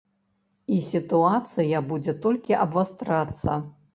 І сітуацыя будзе толькі абвастрацца.